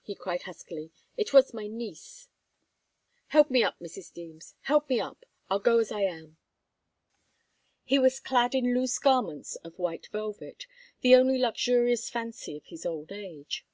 he cried, huskily. "It was my niece help me up, Mrs. Deems help me up. I'll go as I am." He was clad in loose garments of white velvet the only luxurious fancy of his old age.